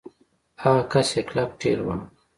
هغه کس يې کلک ټېلوهه.